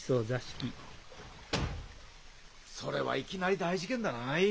それはいきなり大事件だない。